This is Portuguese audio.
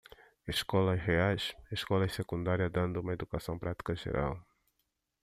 Escolas reais? escolas secundárias dando uma educação prática geral